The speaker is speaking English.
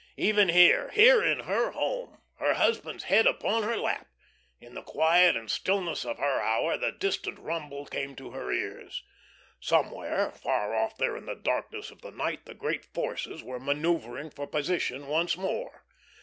Even here, here in her home, her husband's head upon her lap, in the quiet and stillness of her hour, the distant rumble came to her ears. Somewhere, far off there in the darkness of the night, the great forces were manoeuvring for position once more.